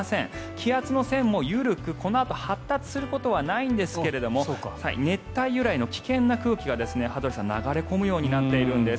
気圧の線も緩く、このあと発達することはないんですが熱帯由来の危険な空気が羽鳥さん、流れ込むようになっているんです。